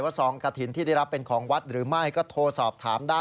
ถ้าแบบไม่เข้าใจอะไรหรือว่าติดทคัด